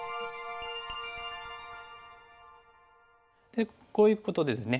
でこういうことでですね